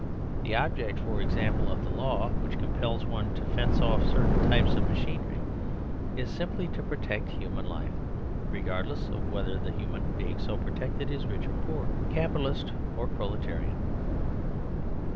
The object, for example, of the law which compels one to fence off certain types of machinery is simply to protect human life, regard less of whether the human being so protected is rich or poor, Capitalist or Proletarian.